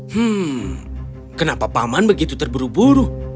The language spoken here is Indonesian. hmm kenapa paman begitu terburu buru